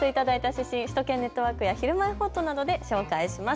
写真、首都圏ネットワークやひるまえほっとなどで紹介します。